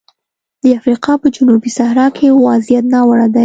د افریقا په جنوبي صحرا کې وضعیت ناوړه دی.